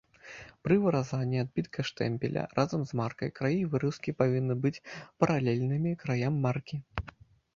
Пры выразанні адбітка штэмпеля разам з маркай краі выразкі павінны быць паралельнымі краям маркі.